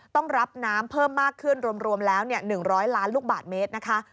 ต้องรับน้ำเพิ่มมากขึ้นรวมแล้ว๑๐๐ล้านลูกบาทเมตรนะคะ